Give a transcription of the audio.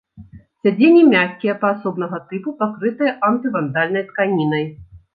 Сядзенні мяккія, паасобнага тыпу, пакрытыя антывандальнай тканінай.